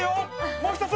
もう１つ！